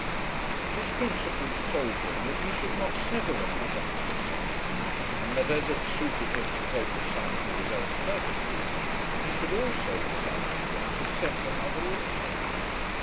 His principles told him that he should not sever the mother from the son, and that as it suited him to take the son for his own purposes, he should also, to some extent, accept the mother also.